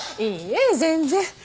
いいえ全然。